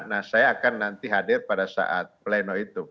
nah saya akan nanti hadir pada saat pleno itu